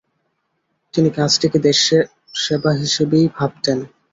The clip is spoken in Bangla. তিনি কাজটিকে দেশসেবা হিসাবেই ভাবতেন।